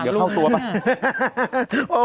เดี๋ยวเข้าตัวมา